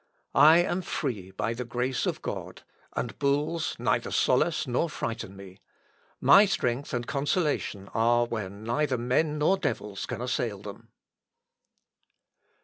I am free by the grace of God, and bulls neither solace nor frighten me. My strength and consolation are where neither men nor devils can assail them."